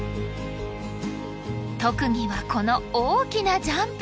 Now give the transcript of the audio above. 特技はこの大きなジャンプ。